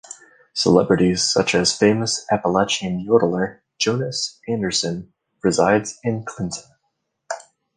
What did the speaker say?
Celebrities such as Famous Appalachian Yodeler Jonas Anderson resides in Clinton.